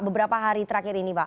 beberapa hari terakhir ini pak